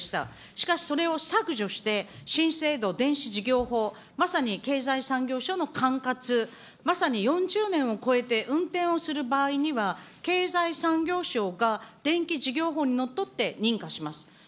しかし、それを削除して、新制度電子事業法、まさに経済産業省の管轄、まさに４０年を超えて運転をする場合には、経済産業省が電気事業法にのっとって認可します。